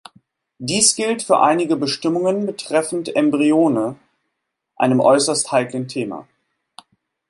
Dies gilt für einige Bestimmungen betreffend Embryone, einem äußerst heiklen Thema.